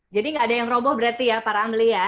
jadi tidak ada yang roboh berarti ya para amli ya